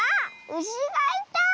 うしがいた！